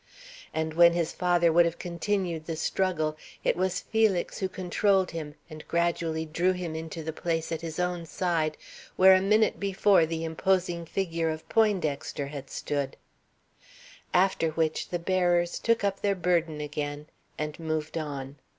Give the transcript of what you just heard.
And when his father would have continued the struggle, it was Felix who controlled him and gradually drew him into the place at his own side where a minute before the imposing figure of Poindexter had stood; after which the bearers took up their burden again and moved on.